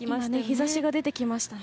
日差しが出てきましたね。